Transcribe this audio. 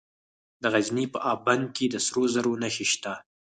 د غزني په اب بند کې د سرو زرو نښې شته.